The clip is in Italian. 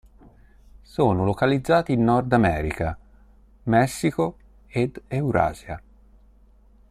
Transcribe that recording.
Sono localizzati in Nord America, Messico ed Eurasia.